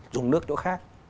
dùng nước chỗ khác